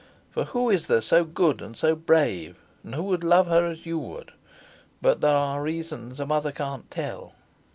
For who is there so good and so brave, and who would love her as you would? But there are reasons a mother can't tell."